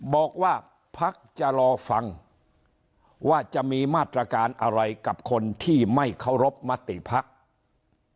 บอกว่าพักจะรอฟังว่าจะมีมาตรการอะไรกับคนที่ไม่เคารพมติภักดิ์